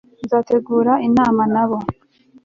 nzategura inama nabo